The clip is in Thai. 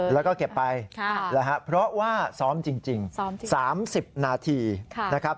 แล้วก็เก็บไปนะครับเพราะว่าซ้อมจริง๓๐นาทีนะครับ